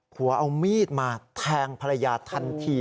เอามีดมาแทงภรรยาทันที